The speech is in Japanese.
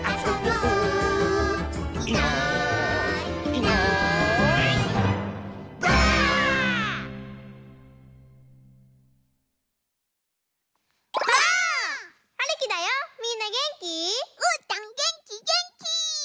うーたんげんきげんき！